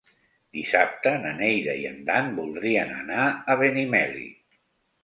Dissabte na Neida i en Dan voldrien anar a Benimeli.